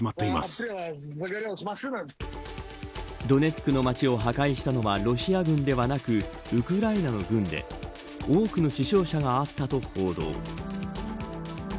ドネツクの街を破壊したのはロシア軍ではなくウクライナの軍で多くの死傷者があったと報道。